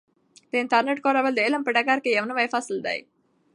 د انټرنیټ کارول د علم په ډګر کې یو نوی فصل دی.